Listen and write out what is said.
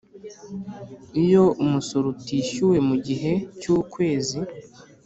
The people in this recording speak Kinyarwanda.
Iyo Umusoro Utishyuwe Mu Gihe Cy Ukwezi